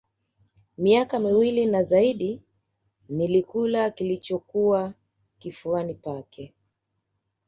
Miaka miswili na zaidi nilikula kilichokuwa kifuani pake